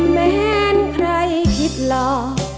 แม้ใครคิดหล่อ